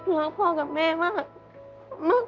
รักพ่อกับแม่มาก